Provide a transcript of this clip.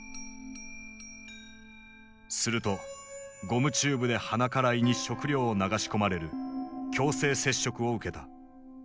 するとゴムチューブで鼻から胃に食料を流し込まれる強制摂食を受けた。